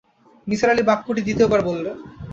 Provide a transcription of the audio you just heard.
নিসার আলি বাক্যটি দ্বিতীয় বার বললেন।